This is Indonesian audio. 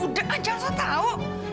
udah aja jangan saya tau